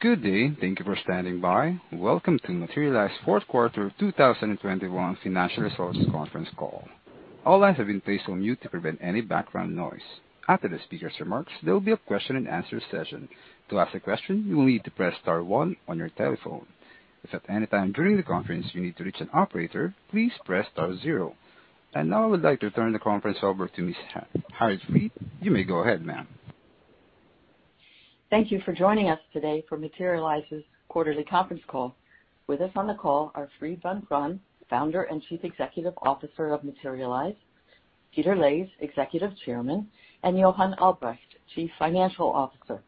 Good day. Thank you for standing by. Welcome to Materialise fourth quarter 2021 financial results conference call. All lines have been placed on mute to prevent any background noise. After the speaker's remarks, there will be a question-and-answer session. To ask a question, you will need to press star one on your telephone. If at any time during the conference you need to reach an operator, please press star zero. I now would like to turn the conference over to Miss Harriet Fried. You may go ahead, ma'am. Thank you for joining us today for Materialise's quarterly conference call. With us on the call are Fried Vancraen, Founder and Chief Executive Officer of Materialise, Peter Leys, Executive Chairman, and Johan Albrecht, Chief Financial Officer.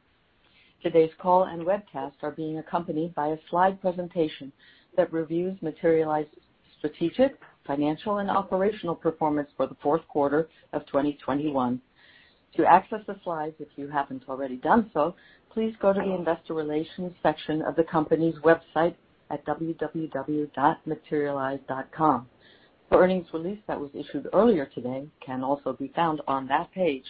Today's call and webcast are being accompanied by a slide presentation that reviews Materialise's strategic, financial, and operational performance for the fourth quarter of 2021. To access the slides, if you haven't already done so, please go to the Investor Relations section of the company's website at www.materialise.com. The earnings release that was issued earlier today can also be found on that page.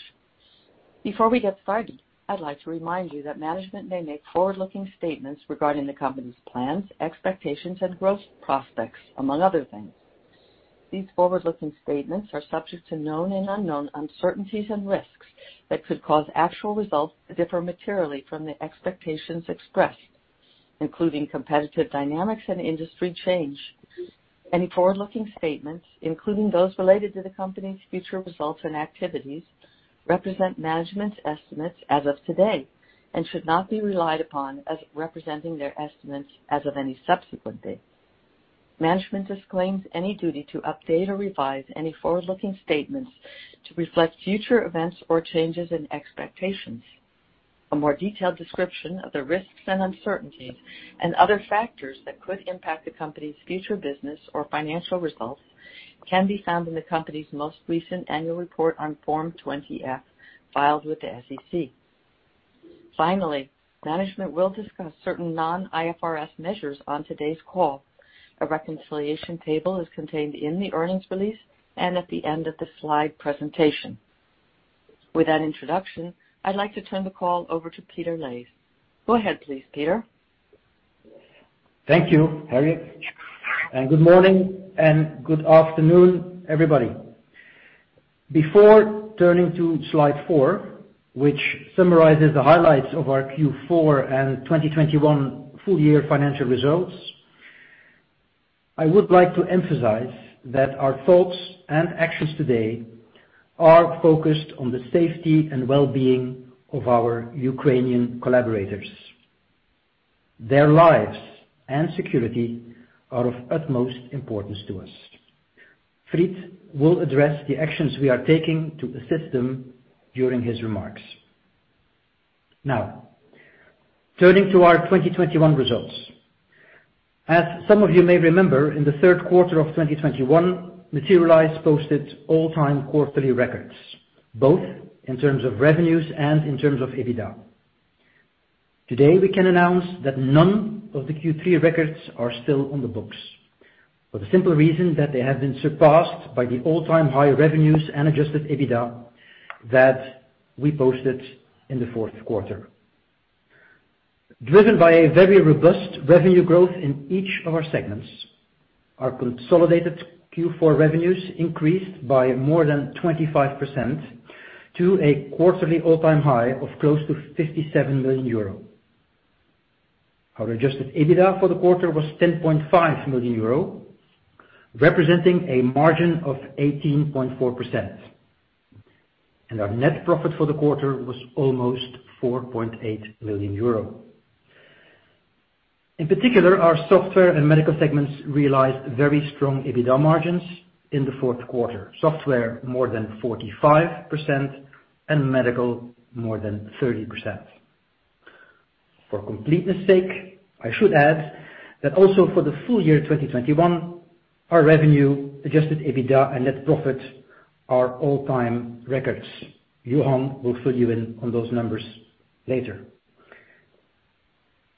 Before we get started, I'd like to remind you that management may make forward-looking statements regarding the company's plans, expectations, and growth prospects, among other things. These forward-looking statements are subject to known and unknown uncertainties and risks that could cause actual results to differ materially from the expectations expressed, including competitive dynamics and industry change. Any forward-looking statements, including those related to the company's future results and activities, represent management's estimates as of today and should not be relied upon as representing their estimates as of any subsequent date. Management disclaims any duty to update or revise any forward-looking statements to reflect future events or changes in expectations. A more detailed description of the risks and uncertainties and other factors that could impact the company's future business or financial results can be found in the company's most recent annual report on Form 20-F, filed with the SEC. Finally, management will discuss certain non-IFRS measures on today's call. A reconciliation table is contained in the earnings release and at the end of the slide presentation. With that introduction, I'd like to turn the call over to Peter Leys. Go ahead, please, Peter. Thank you, Harriet, and good morning and good afternoon, everybody. Before turning to slide four, which summarizes the highlights of our Q4 2021 full year financial results, I would like to emphasize that our thoughts and actions today are focused on the safety and well-being of our Ukrainian collaborators. Their lives and security are of utmost importance to us. Fried will address the actions we are taking to assist them during his remarks. Now, turning to our 2021 results. As some of you may remember, in the third quarter of 2021, Materialise posted all-time quarterly records, both in terms of revenues and in terms of EBITDA. Today, we can announce that none of the Q3 records are still on the books for the simple reason that they have been surpassed by the all-time high revenues and adjusted EBITDA that we posted in the fourth quarter. Driven by a very robust revenue growth in each of our segments, our consolidated Q4 revenues increased by more than 25% to a quarterly all-time high of close to 57 million euro. Our adjusted EBITDA for the quarter was 10.5 million euro, representing a margin of 18.4%. Our net profit for the quarter was almost 4.8 million euro. In particular, our Software and Medical segments realized very strong EBITDA margins in the fourth quarter. Software, more than 45%, and Medical, more than 30%. For completeness' sake, I should add that also for the full year 2021, our revenue, adjusted EBITDA and net profit are all-time records. Johan will fill you in on those numbers later.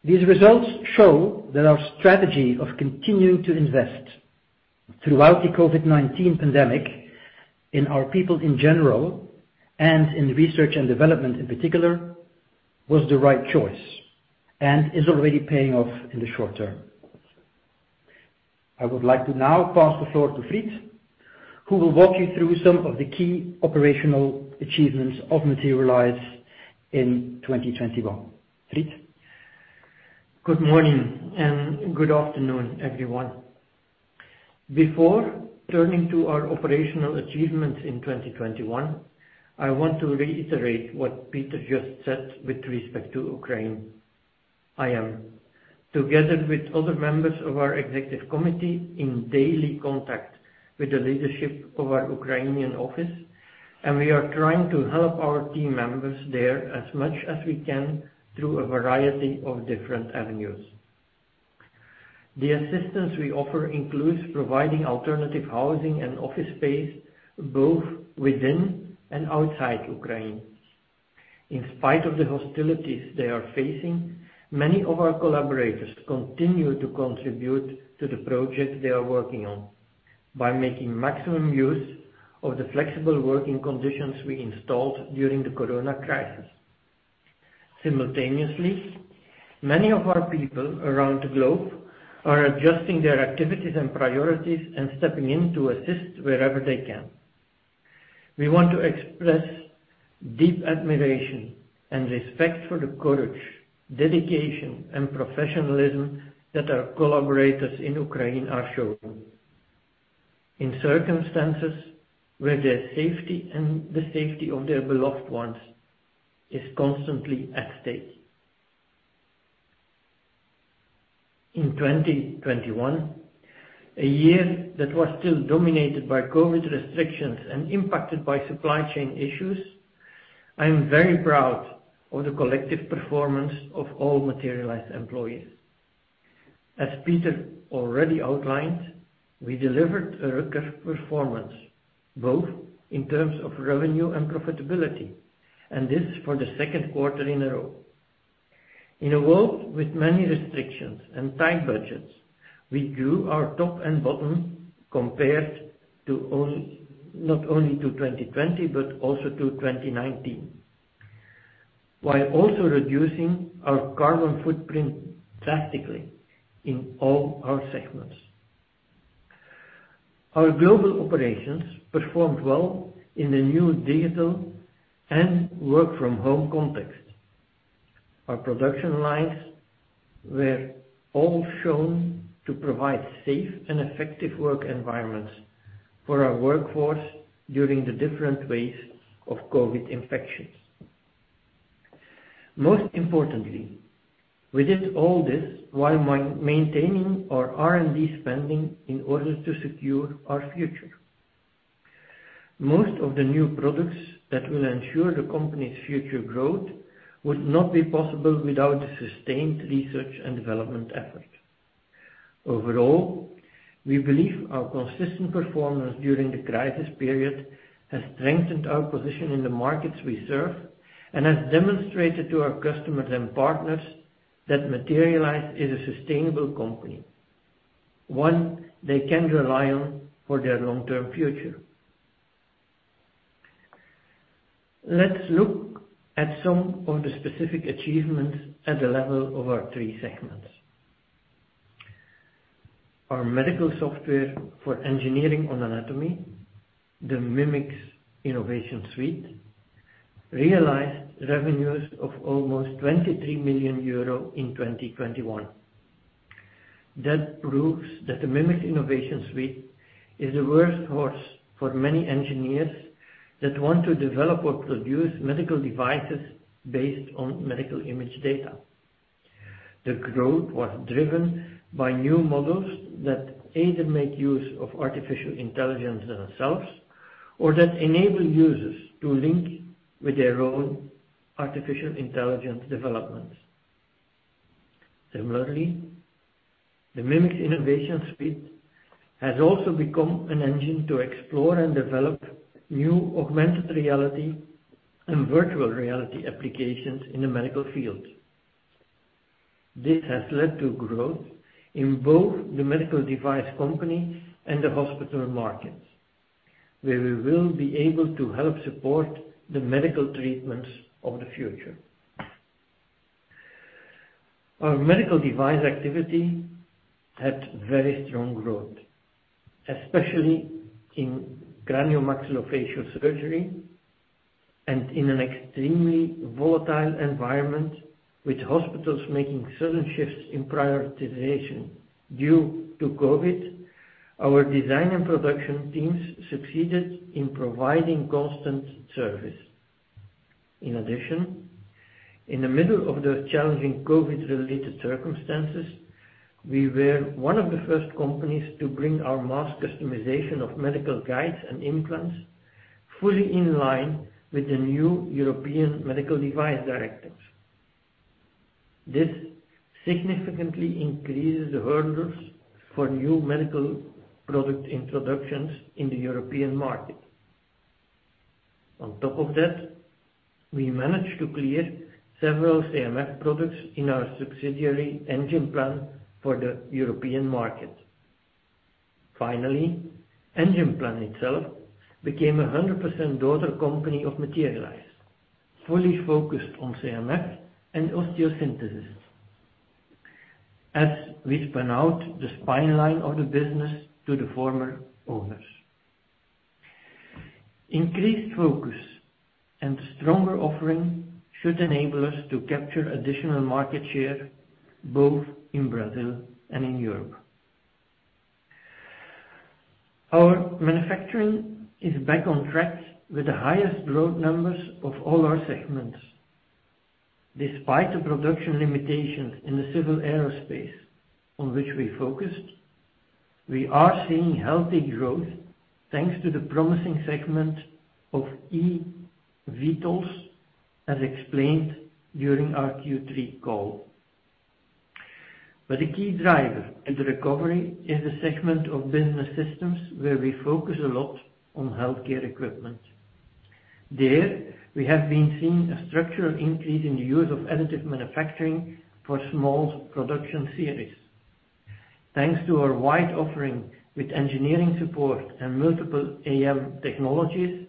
These results show that our strategy of continuing to invest throughout the COVID-19 pandemic in our people in general, and in research and development in particular, was the right choice and is already paying off in the short term. I would like to now pass the floor to Fried, who will walk you through some of the key operational achievements of Materialise in 2021. Fried? Good morning and good afternoon, everyone. Before turning to our operational achievements in 2021, I want to reiterate what Peter just said with respect to Ukraine. I am, together with other members of our executive committee, in daily contact with the leadership of our Ukrainian office, and we are trying to help our team members there as much as we can through a variety of different avenues. The assistance we offer includes providing alternative housing and office space both within and outside Ukraine. In spite of the hostilities they are facing, many of our collaborators continue to contribute to the projects they are working on by making maximum use of the flexible working conditions we installed during the Corona crisis. Simultaneously, many of our people around the globe are adjusting their activities and priorities and stepping in to assist wherever they can. We want to express deep admiration and respect for the courage, dedication, and professionalism that our collaborators in Ukraine are showing in circumstances where their safety and the safety of their beloved ones is constantly at stake. In 2021, a year that was still dominated by COVID restrictions and impacted by supply chain issues, I am very proud of the collective performance of all Materialise employees. As Peter already outlined, we delivered a record performance, both in terms of revenue and profitability, and this for the second quarter in a row. In a world with many restrictions and tight budgets, we grew our top and bottom compared to not only 2020, but also to 2019, while also reducing our carbon footprint drastically in all our segments. Our global operations performed well in the new digital and work from home context. Our production lines were all shown to provide safe and effective work environments for our workforce during the different waves of COVID infections. Most importantly, we did all this while maintaining our R&D spending in order to secure our future. Most of the new products that will ensure the company's future growth would not be possible without the sustained research and development effort. Overall, we believe our consistent performance during the crisis period has strengthened our position in the markets we serve, and has demonstrated to our customers and partners that Materialise is a sustainable company, one they can rely on for their long-term future. Let's look at some of the specific achievements at the level of our three segments. Our medical software for engineering on anatomy, the Mimics Innovation Suite, realized revenues of almost 23 million euro in 2021. That proves that the Mimics Innovation Suite is a workhorse for many engineers that want to develop or produce medical devices based on medical image data. The growth was driven by new models that either make use of artificial intelligence themselves, or that enable users to link with their own artificial intelligence developments. Similarly, the Mimics Innovation Suite has also become an engine to explore and develop new augmented reality and virtual reality applications in the medical field. This has led to growth in both the medical device company and the hospital markets, where we will be able to help support the medical treatments of the future. Our medical device activity had very strong growth, especially in craniomaxillofacial surgery and in an extremely volatile environment, with hospitals making sudden shifts in prioritization due to COVID, our design and production teams succeeded in providing constant service. In addition, in the middle of the challenging COVID-related circumstances, we were one of the first companies to bring our mass customization of medical guides and implants fully in line with the new European Medical Device Regulation. This significantly increases the hurdles for new medical product introductions in the European market. On top of that, we managed to clear several CMF products in our subsidiary Engimplan for the European market. Finally, Engimplan itself became a 100% daughter company of Materialise, fully focused on CMF and osteosynthesis, as we spun out the spine line of the business to the former owners. Increased focus and stronger offering should enable us to capture additional market share both in Brazil and in Europe. Our Manufacturing is back on track with the highest growth numbers of all our segments. Despite the production limitations in the civil aerospace on which we focused, we are seeing healthy growth thanks to the promising segment of eVTOLs, as explained during our Q3 call. A key driver in the recovery is the segment of business systems, where we focus a lot on healthcare equipment. There, we have been seeing a structural increase in the use of additive manufacturing for small production series. Thanks to our wide offering with engineering support and multiple AM technologies,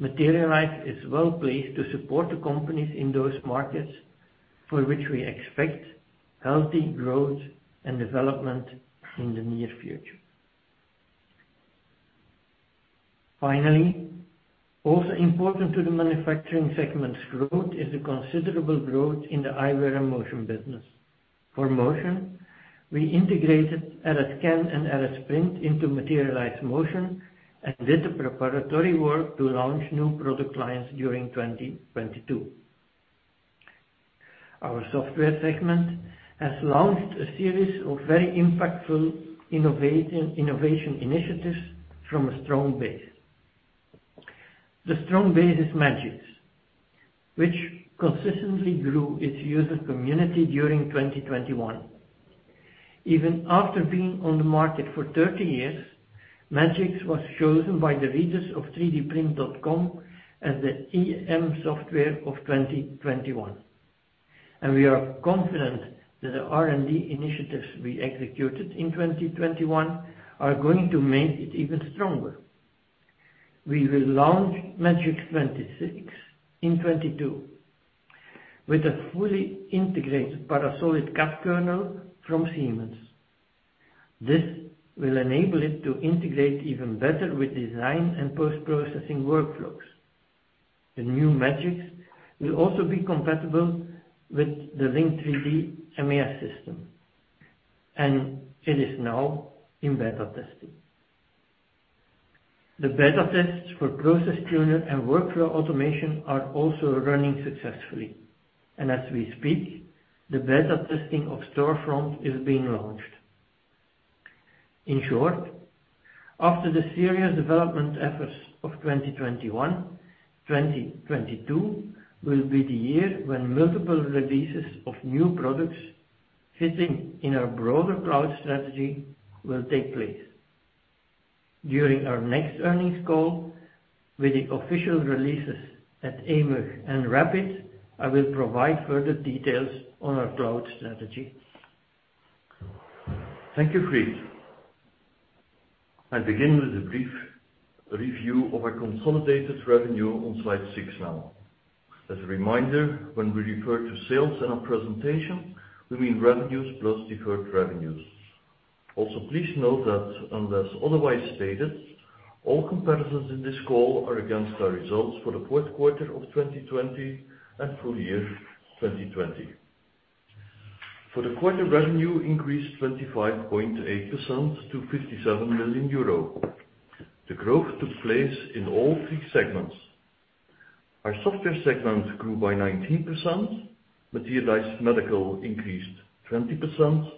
Materialise is well-placed to support the companies in those markets for which we expect healthy growth and development in the near future. Finally, also important to the Manufacturing Segment's growth is the considerable growth in the eyewear and motion business. For motion, we integrated RSscan and RS Print into Materialise Motion and did the preparatory work to launch new product lines during 2022. Our Software segment has launched a series of very impactful innovation initiatives from a strong base. The strong base is Magics, which consistently grew its user community during 2021. Even after being on the market for 30 years, Magics was chosen by the readers of 3DPrint.com as the AM software of 2021, and we are confident that the R&D initiatives we executed in 2021 are going to make it even stronger. We will launch Magics 26 in 2022 with a fully integrated Parasolid CAD kernel from Siemens. This will enable it to integrate even better with design and post-processing workflows. The new Magics will also be compatible with the Link3D MES system, and it is now in beta testing. The beta tests for Process Tuner and Workflow Automation are also running successfully, and as we speak, the beta testing of Storefront is being launched. In short, after the serious development efforts of 2021, 2022 will be the year when multiple releases of new products fitting in our broader cloud strategy will take place. During our next earnings call with the official releases at AMUG and Rapid, I will provide further details on our cloud strategy. Thank you, Fried. I begin with a brief review of our consolidated revenue on slide six now. As a reminder, when we refer to sales in our presentation, we mean revenues plus deferred revenues. Also, please note that unless otherwise stated, all comparisons in this call are against our results for the fourth quarter of 2020 and full year 2020. For the quarter, revenue increased 25.8% to 57 million euro. The growth took place in all three segments. Our Software segment grew by 19%, Materialise Medical increased 20%,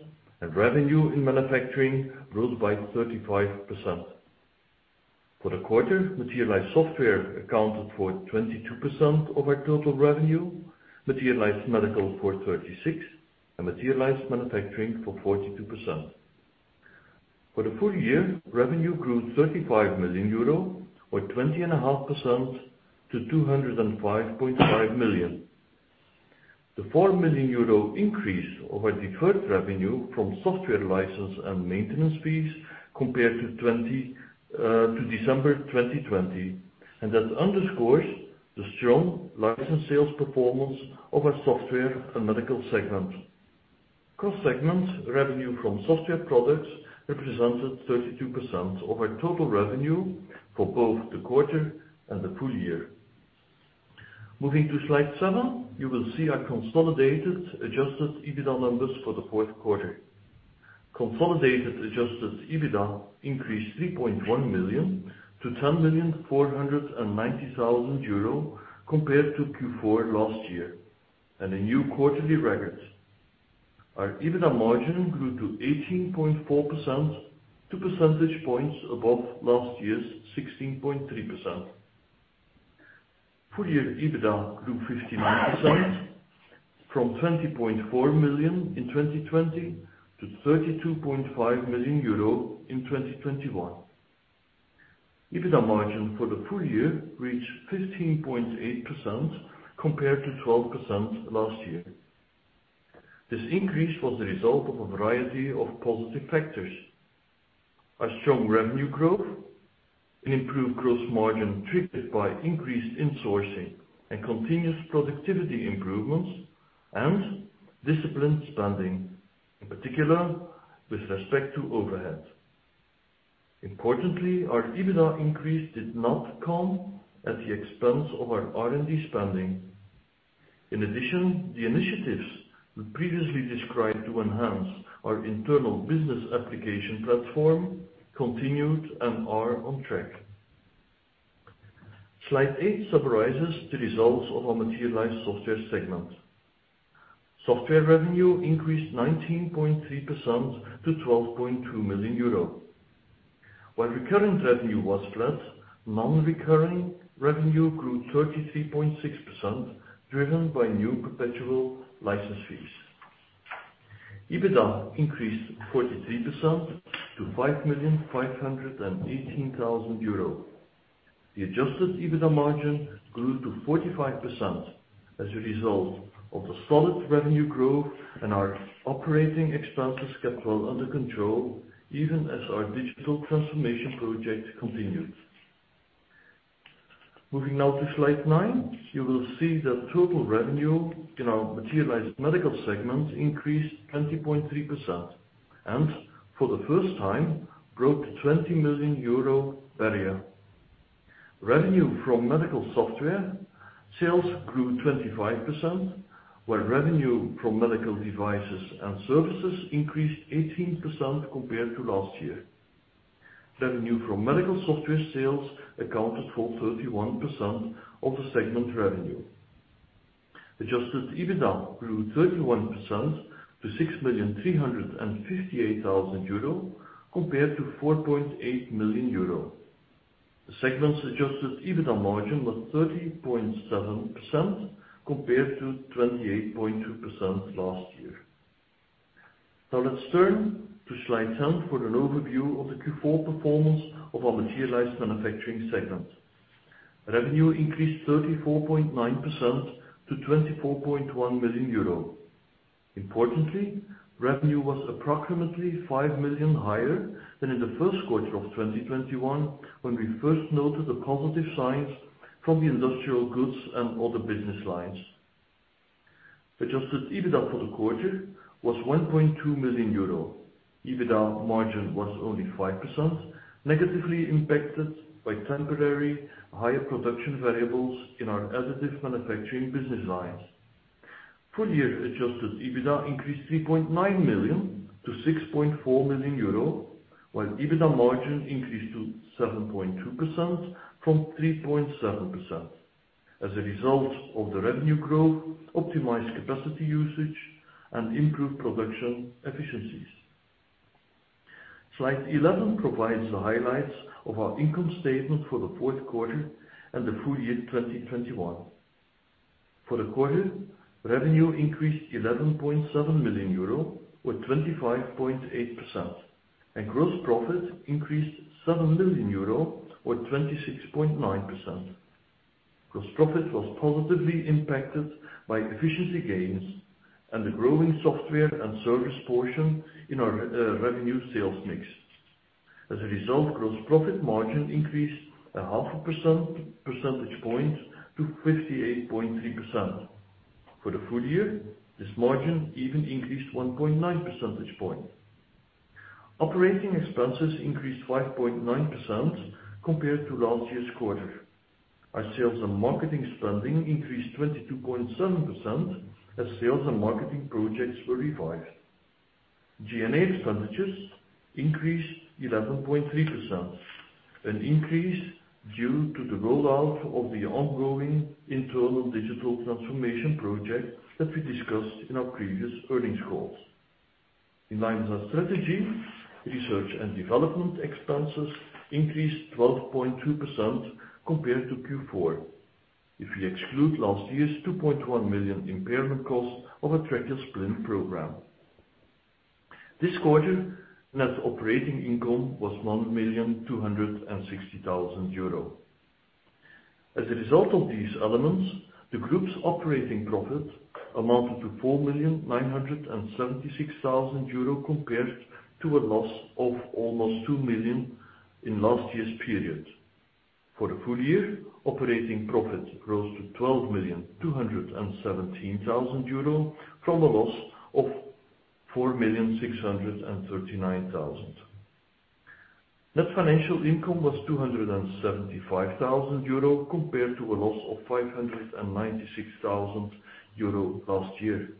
and revenue in Manufacturing rose by 35%. For the quarter, Materialise Software accounted for 22% of our total revenue, Materialise Medical for 36%, and Materialise Manufacturing for 42%. For the full year, revenue grew 35 million euro or 20.5% to 205.5 million. The 4 million euro increase over deferred revenue from software license and maintenance fees compared to December 2020, and that underscores the strong license sales performance of our Software and Medical segment. Cross-segment revenue from software products represented 32% of our total revenue for both the quarter and the full year. Moving to slide seven, you will see our consolidated adjusted EBITDA numbers for the fourth quarter. Consolidated adjusted EBITDA increased 3.1 million to 10.49 million euro compared to Q4 last year, and a new quarterly record. Our EBITDA margin grew to 18.4%, two percentage points above last year's 16.3%. Full-year EBITDA grew 15% from 20.4 million in 2020 to 32.5 million euro in 2021. EBITDA margin for the full year reached 15.8% compared to 12% last year. This increase was the result of a variety of positive factors, our strong revenue growth, an improved gross margin triggered by increased insourcing and continuous productivity improvements, and disciplined spending, in particular with respect to overhead. Importantly, our EBITDA increase did not come at the expense of our R&D spending. In addition, the initiatives we previously described to enhance our internal business application platform continued and are on track. slide eight summarizes the results of our Materialise Software segment. Software revenue increased 19.3% to 12.2 million euro. While recurring revenue was flat, non-recurring revenue grew 33.6%, driven by new perpetual license fees. EBITDA increased 43% to 5.518 million. The adjusted EBITDA margin grew to 45% as a result of the solid revenue growth and our operating expenses kept well under control, even as our digital transformation project continued. Moving now to slide nine, you will see that total revenue in our Materialise Medical segment increased 20.3% and for the first time broke the 20 million euro barrier. Revenue from medical software sales grew 25%, while revenue from medical devices and services increased 18% compared to last year. Revenue from medical software sales accounted for 31% of the segment revenue. Adjusted EBITDA grew 31% to 6,358,000 euro compared to 4.8 million euro. The segment's adjusted EBITDA margin was 30.7% compared to 28.2% last year. Now let's turn to slide 10 for an overview of the Q4 performance of our Materialise Manufacturing segment. Revenue increased 34.9% to 24.1 million euro. Importantly, revenue was approximately 5 million higher than in the first quarter of 2021 when we first noted the positive signs from the industrial goods and other business lines. Adjusted EBITDA for the quarter was 1.2 million euro. EBITDA margin was only 5%, negatively impacted by temporary higher production variables in our additive manufacturing business lines. Full year adjusted EBITDA increased 3.9 million to 6.4 million euro, while EBITDA margin increased to 7.2% from 3.7% as a result of the revenue growth, optimized capacity usage, and improved production efficiencies. Slide 11 provides the highlights of our income statement for the fourth quarter and the full year 2021. For the quarter, revenue increased 11.7 million euro or 25.8%, and gross profit increased 7 million euro or 26.9%. Gross profit was positively impacted by efficiency gains and the growing software and service portion in our revenue sales mix. As a result, gross profit margin increased half a percentage point to 58.3%. For the full year, this margin even increased 1.9 percentage point. Operating expenses increased 5.9% compared to last year's quarter. Our sales and marketing spending increased 22.7% as sales and marketing projects were revived. G&A expenses increased 11.3%, an increase due to the rollout of the ongoing internal digital transformation project that we discussed in our previous earnings calls. In line with our strategy, research and development expenses increased 12.2% compared to Q4 if we exclude last year's 2.1 million impairment cost of a Tractor Splint Program. This quarter, net operating income was 1.26 million. As a result of these elements, the group's operating profit amounted to 4.976 million compared to a loss of almost 2 million in last year's period. For the full year, operating profit rose to 12.217 million from a loss of 4.639 million. Net financial income was 275,000 euro compared to a loss of 596,000 euro last year.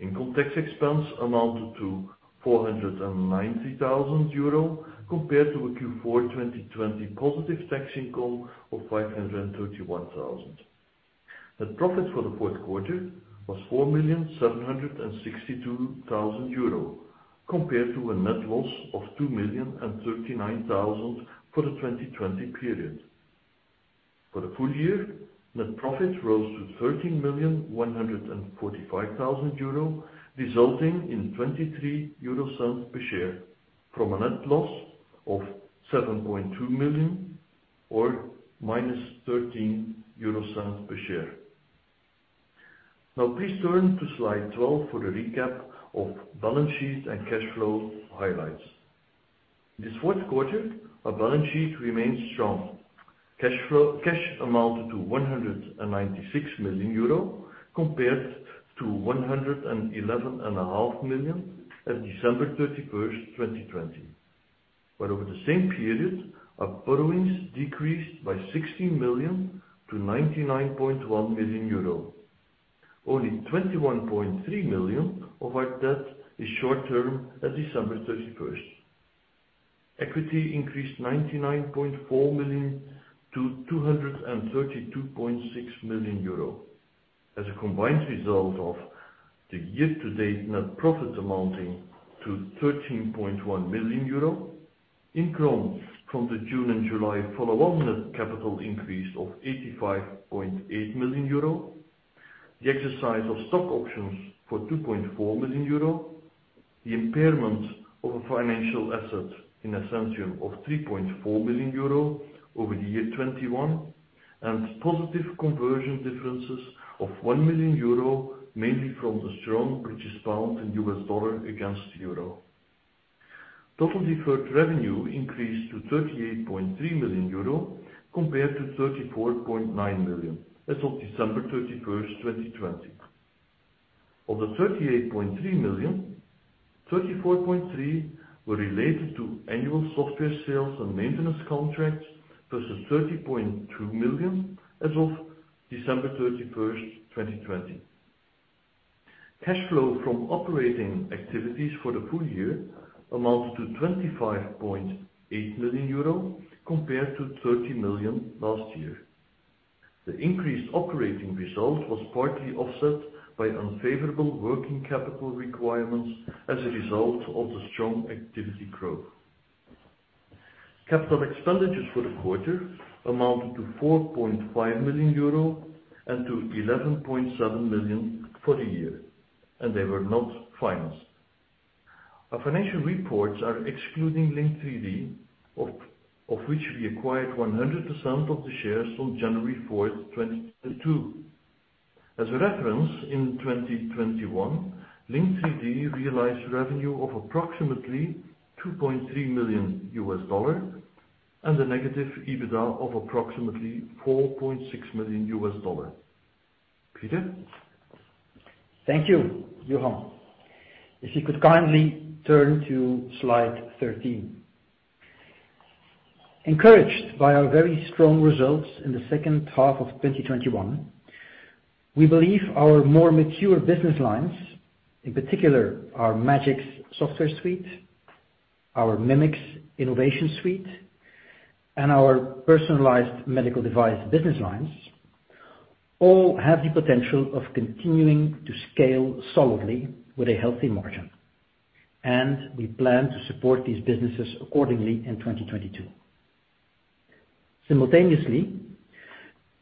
Income tax expense amounted to 490,000 euro compared to a Q4 2020 positive tax income of 531,000. Net profit for the fourth quarter was 4,762,000 euro compared to a net loss of 2,039,000 for the 2020 period. For the full year, net profit rose to 13,145,000 euro, resulting in 0.23 per share from a net loss of 7.2 million or minus 0.13 per share. Now please turn to slide 12 for the recap of balance sheet and cash flow highlights. This fourth quarter, our balance sheet remains strong. Cash amounted to 196 million euro compared to 111.5 million as of December 31, 2020. Over the same period, our borrowings decreased by 16 million to 99.1 million euro. Only 21.3 million of our debt is short term as of December 31. Equity increased 99.4 million to 232.6 million euro as a combined result of the year-to-date net profit amounting to 13.1 million euro. Including the June and July follow-on net capital increase of 85.8 million euro. The exercise of stock options for 2.4 million euro, the impairment of a financial asset in Essentium of 3.4 million euro over the year 2021 and positive conversion differences of 1 million euro, mainly from the strong British pound and US dollar against euro. Total deferred revenue increased to 38.3 million euro compared to 34.9 million as of December 31, 2020. Of the 38.3 million, 34.3 million were related to annual software sales and maintenance contracts versus 30.2 million as of December 31, 2020. Cash flow from operating activities for the full year amounts to 25.8 million euro compared to 30 million last year. The increased operating result was partly offset by unfavorable working capital requirements as a result of the strong activity growth. Capital expenditures for the quarter amounted to 4.5 million euro and to 11.7 million for the year, and they were not financed. Our financial reports are excluding Link3D, of which we acquired 100% of the shares on January 4, 2022. As a reference, in 2021, Link3D realized revenue of approximately $2.3 million and a negative EBITDA of approximately $4.6 million. Peter? Thank you, Johan. If you could kindly turn to slide 13. Encouraged by our very strong results in the second half of 2021, we believe our more mature business lines, in particular our Magics software suite, our Mimics Innovation Suite, and our personalized medical device business lines, all have the potential of continuing to scale solidly with a healthy margin. We plan to support these businesses accordingly in 2022. Simultaneously,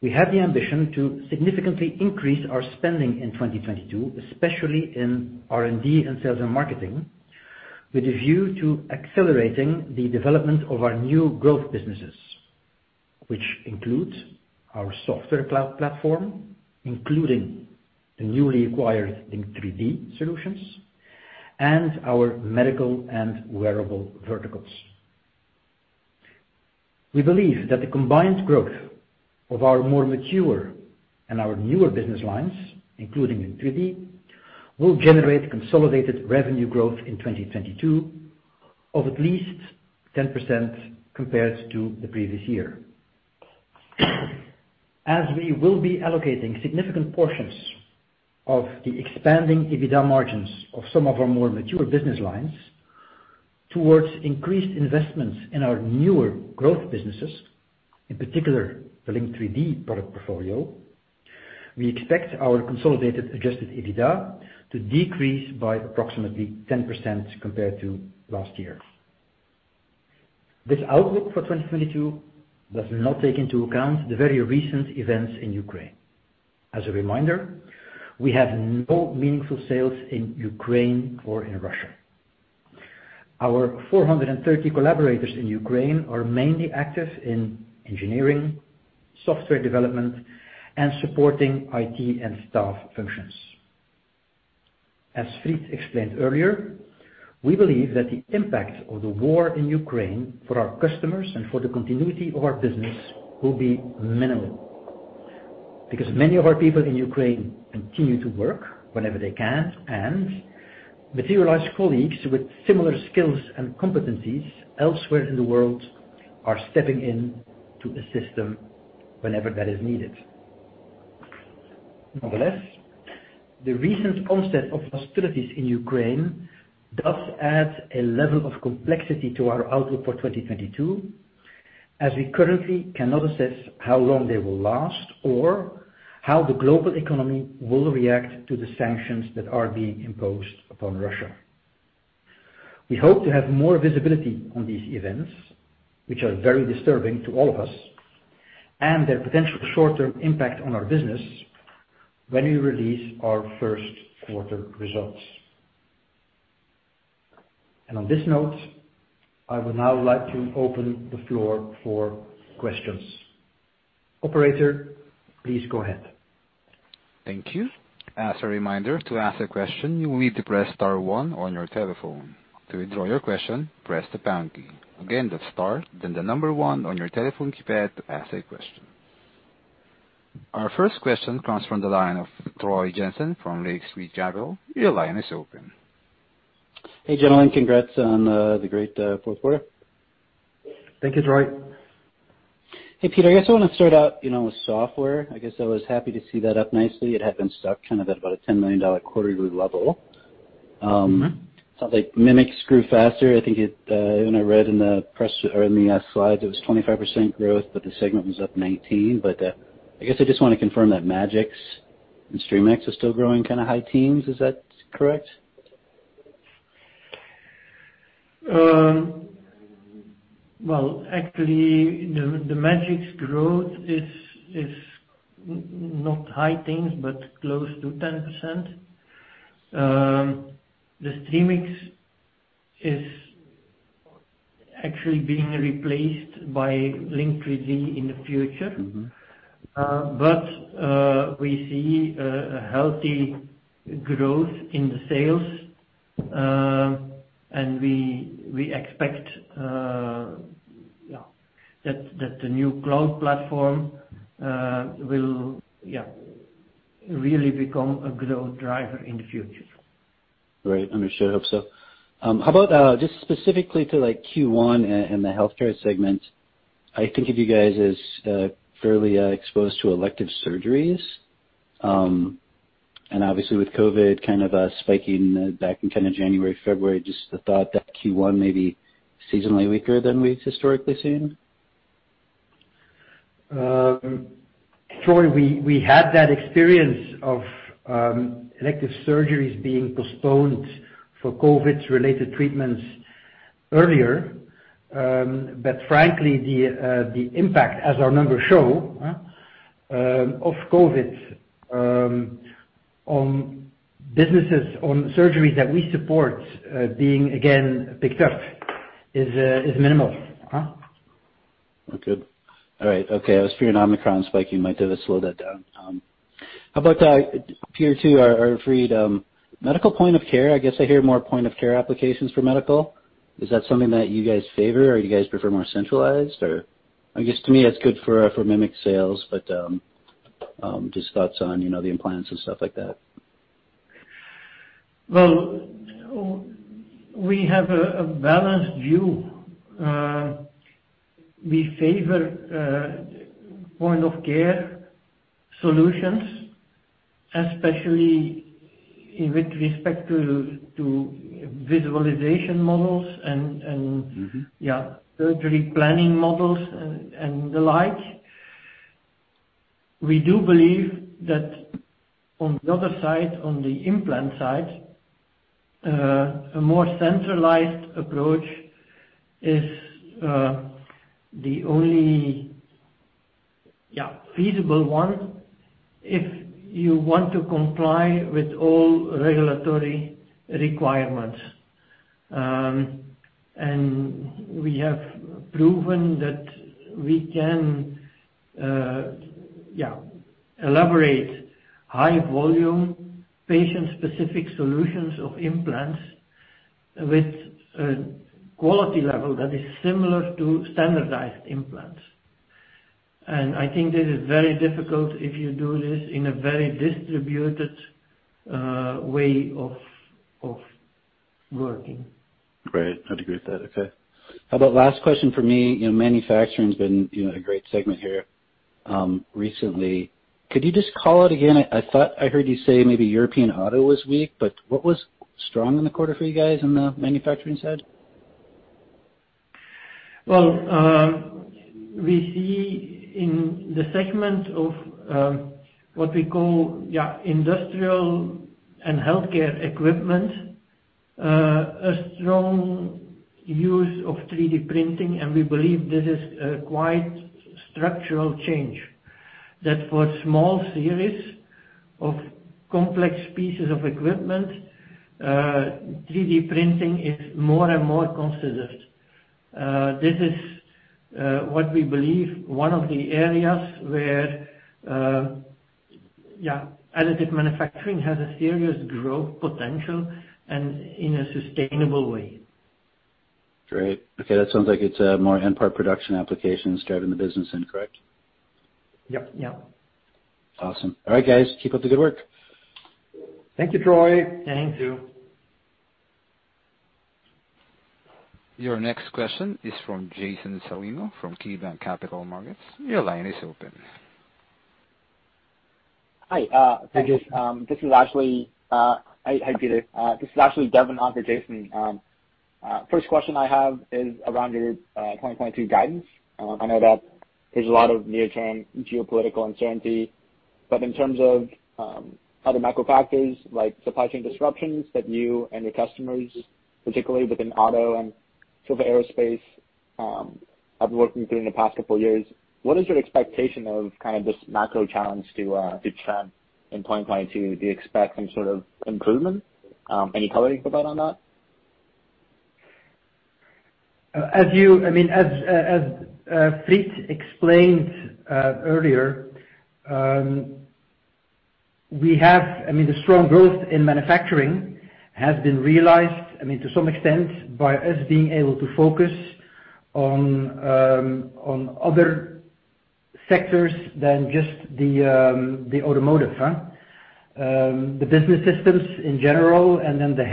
we have the ambition to significantly increase our spending in 2022, especially in R&D and sales and marketing, with a view to accelerating the development of our new growth businesses, which includes our software cloud platform, including the newly acquired Link3D solutions and our Medical and wearable verticals. We believe that the combined growth of our more mature and our newer business lines, including Link3D, will generate consolidated revenue growth in 2022 of at least 10% compared to the previous year. As we will be allocating significant portions of the expanding EBITDA margins of some of our more mature business lines towards increased investments in our newer growth businesses, in particular the Link3D product portfolio, we expect our consolidated adjusted EBITDA to decrease by approximately 10% compared to last year. This outlook for 2022 does not take into account the very recent events in Ukraine. As a reminder, we have no meaningful sales in Ukraine or in Russia. Our 430 collaborators in Ukraine are mainly active in engineering, software development and supporting IT and staff functions. As Fried explained earlier, we believe that the impact of the war in Ukraine for our customers and for the continuity of our business will be minimal because many of our people in Ukraine continue to work whenever they can and Materialise colleagues with similar skills and competencies elsewhere in the world are stepping in to assist them whenever that is needed. Nonetheless, the recent onset of hostilities in Ukraine does add a level of complexity to our outlook for 2022, as we currently cannot assess how long they will last or how the global economy will react to the sanctions that are being imposed upon Russia. We hope to have more visibility on these events, which are very disturbing to all of us and their potential short-term impact on our business when we release our first quarter results. On this note, I would now like to open the floor for questions. Operator, please go ahead. Thank you. As a reminder, to ask a question, you will need to press star one on your telephone. To withdraw your question, press the pound key. Again, that's star, then the number one on your telephone keypad to ask a question. Our first question comes from the line of Troy Jensen from Lake Street Capital Markets. Your line is open. Hey, gentlemen. Congrats on the great fourth quarter. Thank you, Troy. Hey, Peter, I guess I want to start out, you know, with Software. I guess I was happy to see that up nicely. It had been stuck kind of at about a $10 million quarterly level. Sounds like Mimics grew faster. I think it, when I read in the press or in the slides, it was 25% growth, but the segment was up 19%. I guess I just want to confirm that Magics and Streamics is still growing kind of high teens, is that correct? Well, actually, the Magics growth is not high teens, but close to 10%. The Streamics is actually being replaced by Link3D in the future. Mm-hmm. We see a healthy growth in the sales. We expect that the new cloud platform will really become a growth driver in the future. Right. I'm sure I hope so. How about just specifically to, like, Q1 and the healthcare segment, I think of you guys as fairly exposed to elective surgeries. Obviously with COVID kind of spiking back in kind of January, February, just the thought that Q1 may be seasonally weaker than we've historically seen. Troy, we had that experience of elective surgeries being postponed for COVID-related treatments earlier. Frankly, the impact, as our numbers show, of COVID on businesses, on surgeries that we support being again picked up is minimal. I was fearing Omicron spiking might have slowed that down. How about tier two R&D for medical point-of-care? I guess I hear more point-of-care applications for Medical. Is that something that you guys favor or you guys prefer more centralized? I guess to me it's good for Mimics sales but just thoughts on, you know, the implants and stuff like that. Well, we have a balanced view. We favor point of care solutions, especially with respect to visualization models and Mm-hmm. surgery planning models and the like. We do believe that from the other side, on the implant side, a more centralized approach is the only feasible one if you want to comply with all regulatory requirements. We have proven that we can elaborate high volume patient-specific solutions of implants with a quality level that is similar to standardized implants. I think this is very difficult if you do this in a very distributed way of working. Great. I'd agree with that. Okay. How about last question for me. You know, Manufacturing's been, you know, a great segment here, recently. Could you just call out again? I thought I heard you say maybe European auto was weak, but what was strong in the quarter for you guys on the Manufacturing side? Well, we see in the segment of what we call industrial and healthcare equipment a strong use of 3D printing, and we believe this is a quite structural change. That for small series of complex pieces of equipment 3D printing is more and more considered. This is what we believe one of the areas where additive manufacturing has a serious growth potential and in a sustainable way. Great. Okay, that sounds like it's more end part production applications driving the business than, correct? Yep. Yeah. Awesome. All right, guys, keep up the good work. Thank you, Troy. Thank you. Your next question is from Jason Celino from KeyBanc Capital Markets. Your line is open. Hi. Hi, Jason. This is Ashley. Hi. Hi, Peter. This is Ashley Devin on for Jason. First question I have is around your 2022 guidance. I know that there's a lot of near-term geopolitical uncertainty, but in terms of other macro factors like supply chain disruptions that you and your customers, particularly within auto and for the aerospace, have been working through in the past couple years, what is your expectation of kind of this macro challenge to trend in 2022? Do you expect some sort of improvement? Any coloring for that on that? As Fried explained earlier, I mean, the strong growth in Manufacturing has been realized, I mean, to some extent by us being able to focus on other sectors than just the automotive. The business systems in general and then the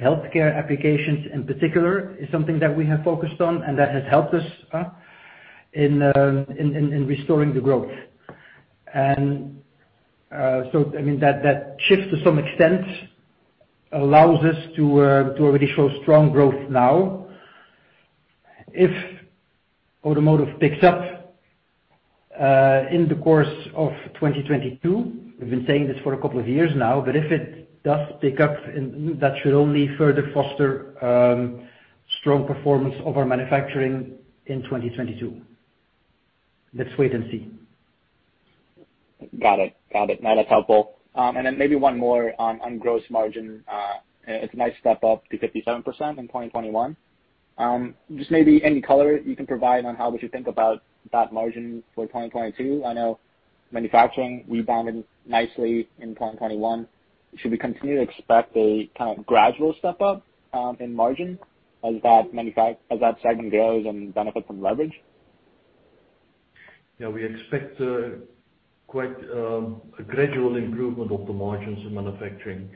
healthcare applications in particular is something that we have focused on and that has helped us in restoring the growth. I mean that shifts to some extent allows us to already show strong growth now. If automotive picks up in the course of 2022, we've been saying this for a couple of years now, but if it does pick up, that should only further foster strong performance of our Manufacturing in 2022. Let's wait and see. Got it. No, that's helpful. Then maybe one more on gross margin. It's a nice step up to 57% in 2021. Just maybe any color you can provide on how we should think about that margin for 2022. I know Manufacturing rebounded nicely in 2021. Should we continue to expect a kind of gradual step up in margin as that segment grows and benefit from leverage? Yeah, we expect quite a gradual improvement of the margins in Manufacturing.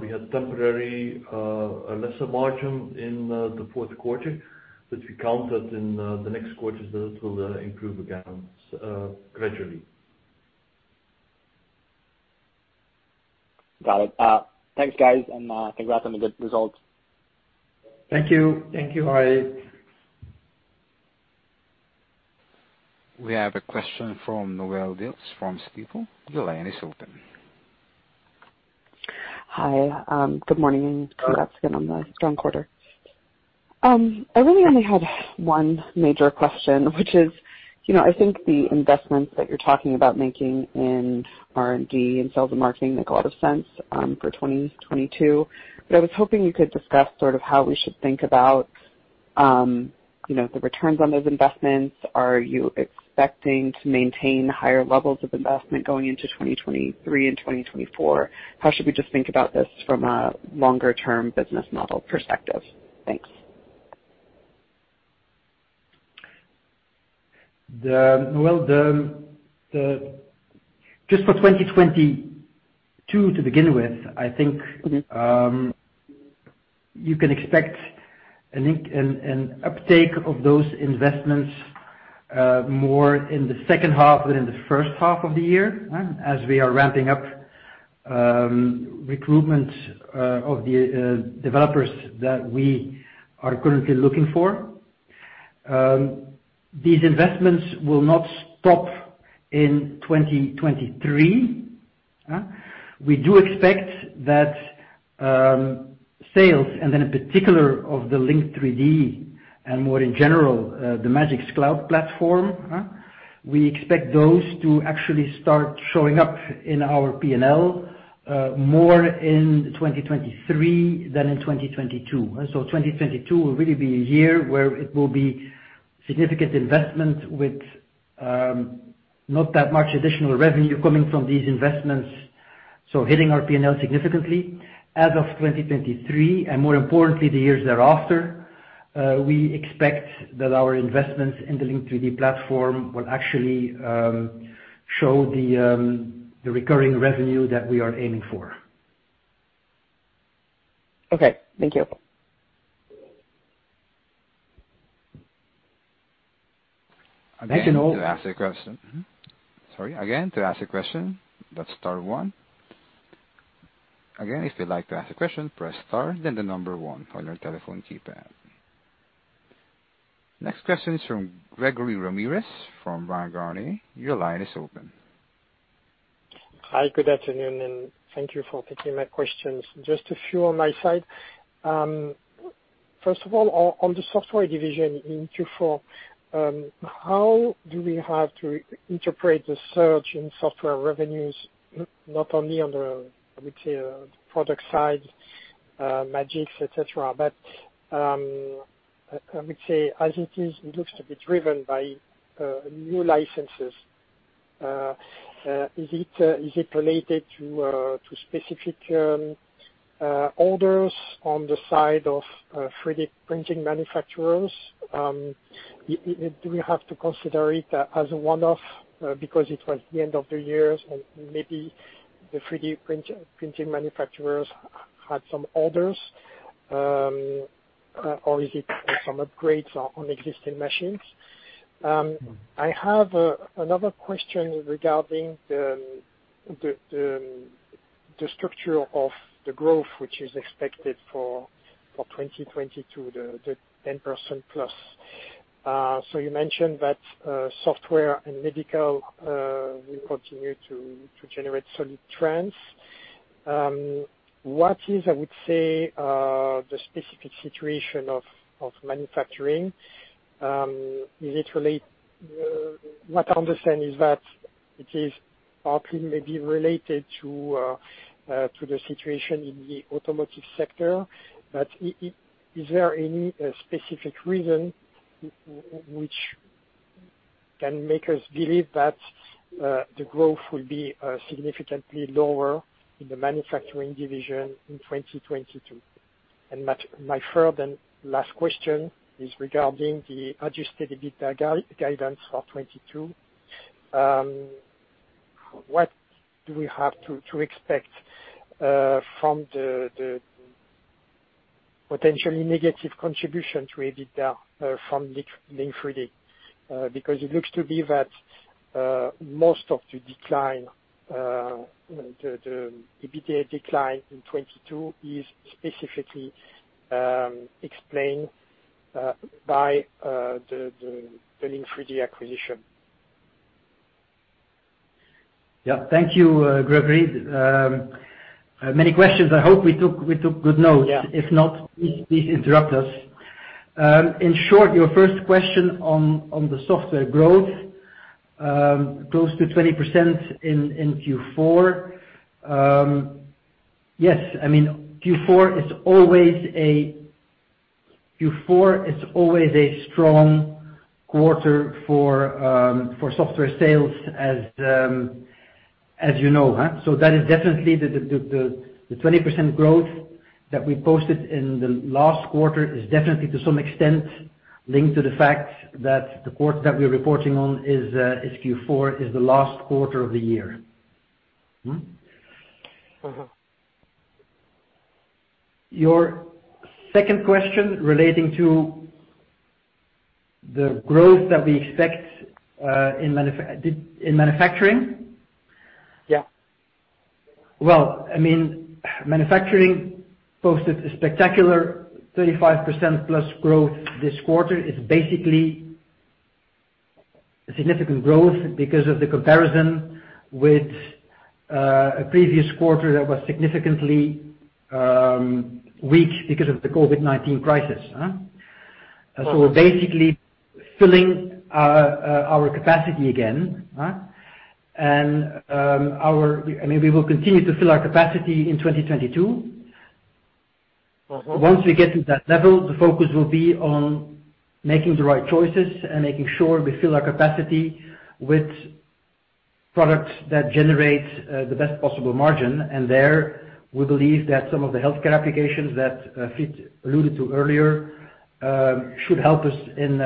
We had temporarily a lesser margin in the fourth quarter, but we counted in the next quarters those will improve again gradually. Got it. Thanks guys, and congrats on the good results. Thank you. Thank you, Harry. We have a question from Noelle Dilts from Stifel. Your line is open. Hi. Good morning. Congrats again on the strong quarter. I really only had one major question, which is, you know, I think the investments that you're talking about making in R&D and sales and marketing make a lot of sense, for 2022. I was hoping you could discuss sort of how we should think about, you know, the returns on those investments. Are you expecting to maintain higher levels of investment going into 2023 and 2024? How should we just think about this from a longer term business model perspective? Thanks. Just for 2022 to begin with, I think. Mm-hmm You can expect an uptake of those investments more in the second half than in the first half of the year. As we are ramping up recruitment of the developers that we are currently looking for. These investments will not stop in 2023. We do expect that sales, and then in particular of the Link3D and more in general the Magics Cloud platform, we expect those to actually start showing up in our P&L more in 2023 than in 2022. 2022 will really be a year where it will be significant investment with not that much additional revenue coming from these investments, so hitting our P&L significantly. As of 2023, and more importantly, the years thereafter, we expect that our investments in the Link3D platform will actually show the recurring revenue that we are aiming for. Okay. Thank you. Thank you, Noelle. Next question is from Gregory Ramirez from Bryan Garnier. Your line is open. Hi, good afternoon, and thank you for taking my questions. Just a few on my side. First of all, on the Software division in Q4, how do we have to interpret the surge in Software revenues, not only on the retail product side, Magics, et cetera, but I would say as it is, it looks to be driven by new licenses. Is it related to specific orders on the side of 3D printing manufacturers? Do we have to consider it as a one-off, because it was the end of the year and maybe the 3D printing manufacturers had some orders, or is it some upgrades on existing machines? I have another question regarding the structure of the growth which is expected for 2020 to the 10% plus. You mentioned that Software and Medical will continue to generate solid trends. What is, I would say, the specific situation of Manufacturing? What I understand is that it is partly maybe related to the situation in the automotive sector. Is there any specific reason which can make us believe that the growth will be significantly lower in the Manufacturing division in 2022? My further and last question is regarding the adjusted EBITDA guidance for 2022. What do we have to expect from the potentially negative contribution to EBITDA from Link3D? Because it looks to be that most of the decline, the EBITDA decline in 2022 is specifically explained by the Link3D acquisition. Yeah. Thank you, Gregory. Many questions. I hope we took good notes. Yeah. If not, please interrupt us. In short, your first question on the Software growth, close to 20% in Q4. Yes, I mean, Q4 is always a strong quarter for Software sales as you know. That is definitely the 20% growth that we posted in the last quarter is definitely to some extent linked to the fact that the quarter that we're reporting on is Q4, the last quarter of the year. Mm-hmm. Your second question relating to the growth that we expect in Manufacturing? Yeah. Well, I mean, Manufacturing posted a spectacular 35%+ growth this quarter. It's basically a significant growth because of the comparison with a previous quarter that was significantly weak because of the COVID-19 crisis. We're basically filling our capacity again. I mean, we will continue to fill our capacity in 2022. Once we get to that level, the focus will be on making the right choices and making sure we fill our capacity with products that generate the best possible margin. There, we believe that some of the healthcare applications that Fried alluded to earlier should help us in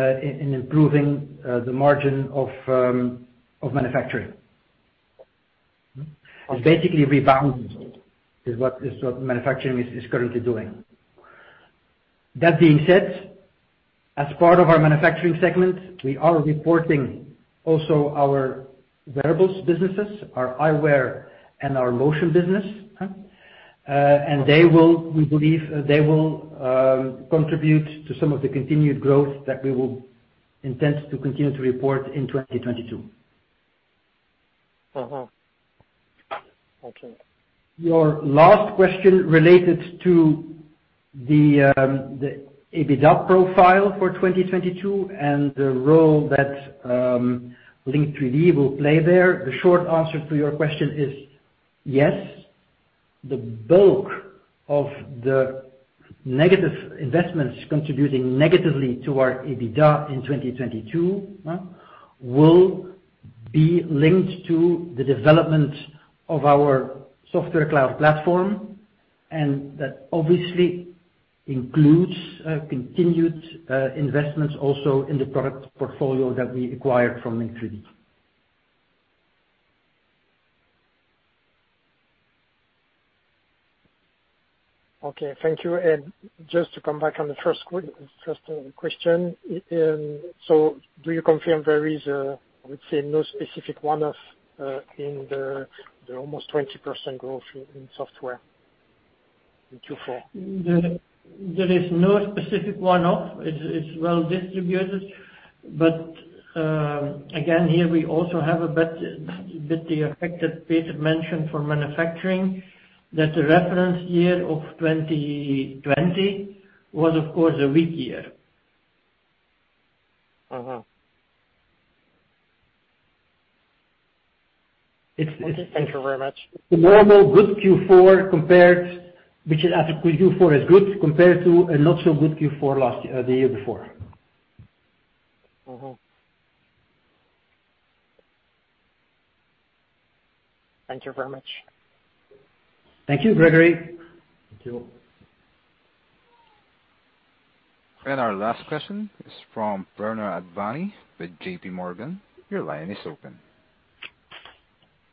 improving the margin of Manufacturing. It's basically rebounding, is what Manufacturing is currently doing. That being said, as part of our Manufacturing segment, we are reporting also our wearables businesses, our eyewear and our Motion business. We believe they will contribute to some of the continued growth that we will intend to continue to report in 2022. Mm-hmm. Okay. Your last question related to the EBITDA profile for 2022 and the role that Link3D will play there. The short answer to your question is, yes, the bulk of the negative investments contributing negatively to our EBITDA in 2022 will be linked to the development of our software cloud platform, and that obviously includes continued investments also in the product portfolio that we acquired from Link3D. Okay. Thank you. Just to come back on the first question. So do you confirm there is a, I would say, no specific one-off, in the almost 20% growth in Software in Q4? There is no specific one-off. It's well distributed. Again, here we also have a bit of the effect that Peter mentioned for Manufacturing, that the reference year of 2020 was of course a weak year. Mm-hmm. It's- It's- Thank you very much. Normally a good Q4 compared, which is actually Q4 is good compared to a not so good Q4 last year, the year before. Mm-hmm. Thank you very much. Thank you, Gregory. Thank you. Our last question is from Paul Chung with JPMorgan. Your line is open.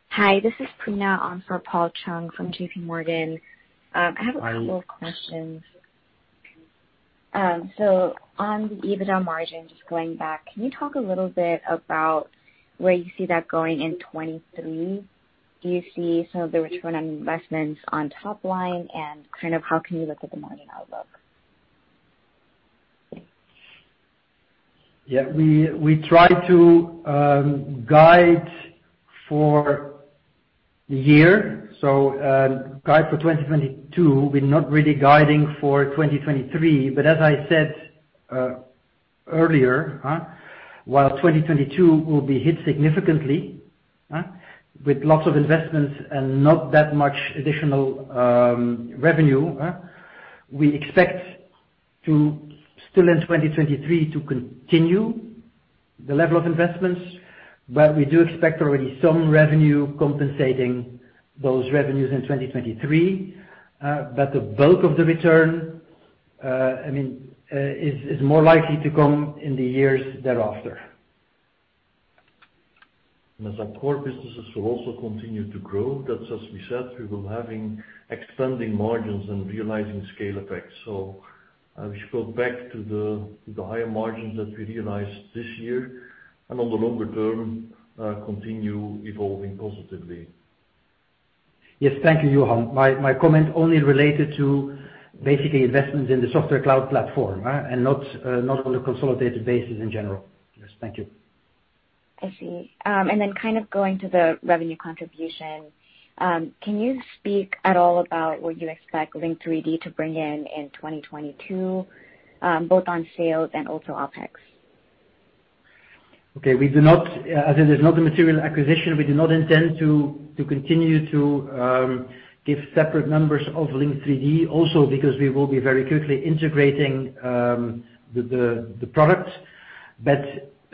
Hi, this is Prina on for Paul Chung from JPMorgan. I have a couple of questions on the EBITDA margin, just going back. Can you talk a little bit about where you see that going in 2023? Do you see some of the return on investments on top line, and kind of how can you look at the margin outlook? Yeah. We try to guide for the year. Guide for 2022, we're not really guiding for 2023. As I said earlier, while 2022 will be hit significantly with lots of investments and not that much additional revenue, we expect to still in 2023 to continue the level of investments, but we do expect already some revenue compensating those revenues in 2023. The bulk of the return, I mean, is more likely to come in the years thereafter. As our core businesses will also continue to grow, that's as we said, we will having expanding margins and realizing scale effects. As we go back to the higher margins that we realized this year and on the longer term, continue evolving positively. Yes. Thank you, Johan. My comment only related to basically investments in the software cloud platform, and not on the consolidated basis in general. Yes. Thank you. I see. Kind of going to the revenue contribution, can you speak at all about what you expect Link3D to bring in in 2022, both on sales and also OpEx? Okay. As it is not a material acquisition, we do not intend to continue to give separate numbers of Link3D also because we will be very quickly integrating the product.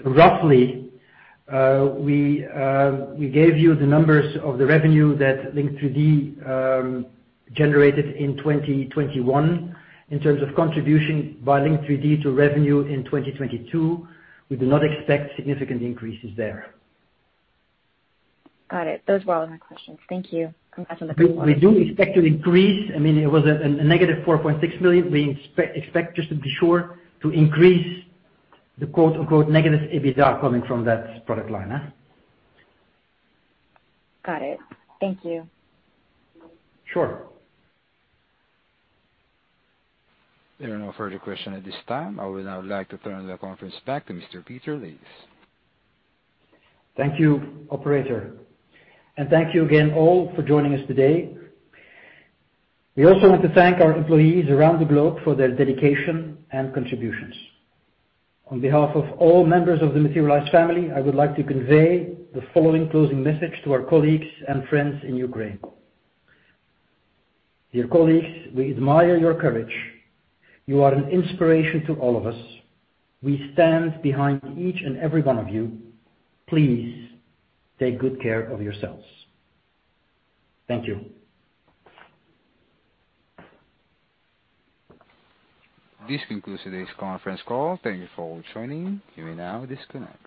Roughly, we gave you the numbers of the revenue that Link3D generated in 2021. In terms of contribution by Link3D to revenue in 2022, we do not expect significant increases there. Got it. Those were all my questions. Thank you. Congrats on the good quarter. We do expect to increase. I mean, it was a negative 4.6 million. We expect, just to be sure, to increase the "negative" EBITDA coming from that product line. Got it. Thank you. Sure. There are no further questions at this time. I would now like to turn the conference back to Mr. Peter Leys. Thank you, operator, and thank you again all for joining us today. We also want to thank our employees around the globe for their dedication and contributions. On behalf of all members of the Materialise family, I would like to convey the following closing message to our colleagues and friends in Ukraine. Dear colleagues, we admire your courage. You are an inspiration to all of us. We stand behind each and every one of you. Please take good care of yourselves. Thank you. This concludes today's conference call. Thank you for joining. You may now disconnect.